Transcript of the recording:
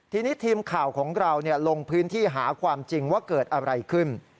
ทีนี้ทีมข่าวของเราลงพื้นที่หาความจริงว่าเกิดอะไรขึ้น